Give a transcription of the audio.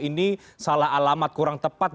ini salah alamat kurang tepat